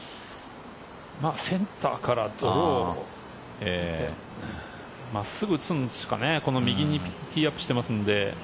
センターからドロー真っすぐ打つしかね右にティーアップしていますので。